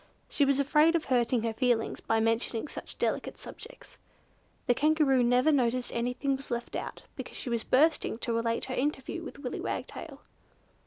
She was afraid of hurting her feelings by mentioning such delicate subjects. The Kangaroo never noticed that anything was left out, because she was bursting to relate her interview with Willy Wagtail.